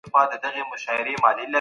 زه هیڅکله بل چا ته ستونزه نه جوړوم.